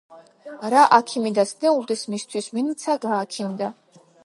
რა აქიმი დასნეულდეს, მისთვის ვინმცა გააქიმდა!